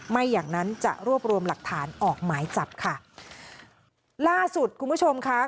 ไม่อย่างนั้นจะรวบรวมหลักฐานออกหมายจับค่ะล่าสุดคุณผู้ชมค่ะ